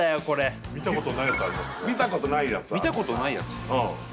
これ見たことないやつある見たことないやつ？